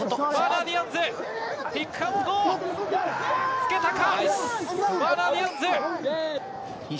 つけたか？